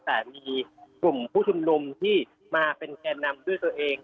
แต่มีกลุ่มผู้ชุมนุมที่มาเป็นแก่นำด้วยตัวเอง